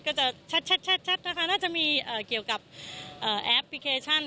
ก็จะชัดนะคะน่าจะมีเกี่ยวกับแอปพลิเคชัน